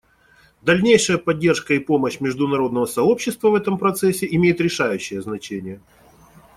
Дальнейшая поддержка и помощь международного сообщества в этом процессе имеет решающее значение.